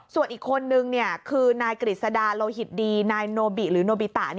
ส่วนอีกคนนึงคือนายกฤษดาโลหิตดีนายโนบิหรือโนบิตะ